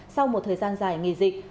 sau một thời gian dài nghỉ dịch